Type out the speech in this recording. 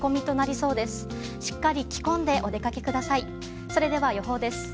それでは予報です。